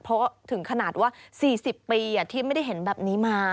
เพราะถึงขนาดว่า๔๐ปีที่ไม่ได้เห็นแบบนี้มา